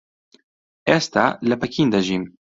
ئێستا لە پەکین دەژیم.